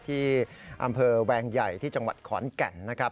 ที่อำเภอแวงใหญ่ที่จังหวัดขอนแก่นนะครับ